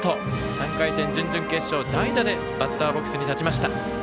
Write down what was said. ３回戦、準々決勝代打でバッターボックスに立ちました。